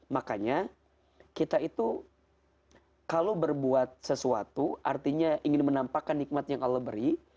makanya kita itu kalau berbuat sesuatu artinya ingin menampakkan nikmat yang allah beri